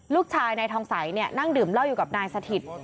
ลูกชายนายทองสัยนั่งดื่มเหล้าอยู่กับนายสถิต